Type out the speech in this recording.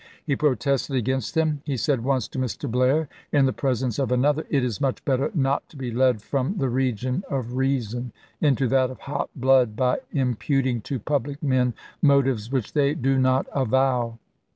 He protested against them. He said once to Mr. Blair, in the presence of another, " It is much better not to be led from the region of reason into that of hot blood by im puting to public men motives which they do not Diary, avow."